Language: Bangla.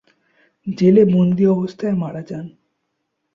জেলে বন্দী অবস্থায় মারা যান।